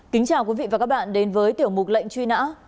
kính chào quý vị và các bạn đến với tiểu mục lệnh truy nã